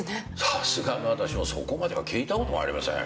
さすがの私もそこまでは聞いたことがありません。